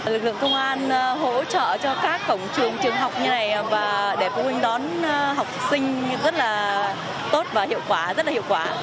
lực lượng công an hỗ trợ cho các cổng trường trường học như này và để phụ huynh đón học sinh rất là tốt và hiệu quả rất là hiệu quả